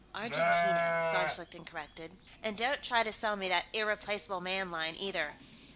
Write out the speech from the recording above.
"Argentino," von Schlichten corrected. "And don't try to sell me that Irreplaceable Man line, either.